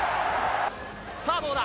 さあどうだ？